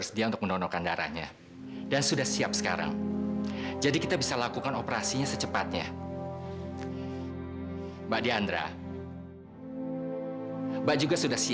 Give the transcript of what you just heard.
saya sangat ingin anak saya itu segera sembuh